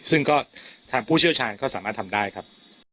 ซึ่งก็ทางผู้เชี่ยวชาญก็สามารถทำได้ครับ